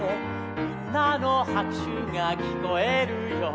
「みんなのはくしゅがきこえるよ」